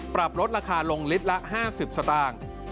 ปรับลดราคาลงลิตรละ๕๐สตางค์